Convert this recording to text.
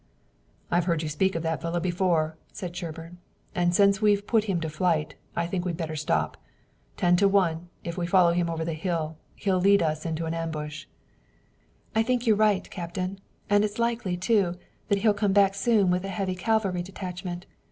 "I've heard you speak of that fellow before," said Sherburne, "and since we've put him to flight, I think we'd better stop. Ten to one, if we follow him over the brow of the hill, he'll lead us into an ambush." "I think you're right, Captain, and it's likely, too, that he'll come back soon with a heavy cavalry detachment.